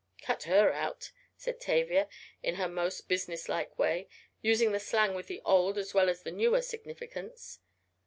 "Cut her out," said Tavia, in her most business like way, using the slang with the old as well as the newer significance.